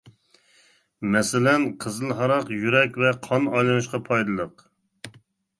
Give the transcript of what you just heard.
مەسىلەن: قىزىل ھاراق يۈرەك ۋە قان ئايلىنىشقا پايدىلىق.